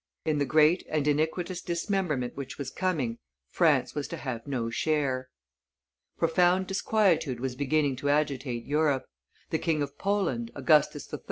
In the great and iniquitous dismemberment which was coming, France was to have no share. Profound disquietude was beginning to agitate Europe: the King of Poland, Augustus III.